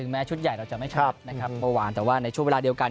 เมื่อวานแต่ว่าในช่วงเวลาเดียวกัน